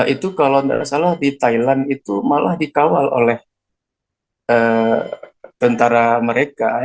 itu kalau tidak salah di thailand itu malah dikawal oleh tentara mereka